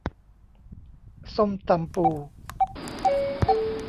ส้มตำปู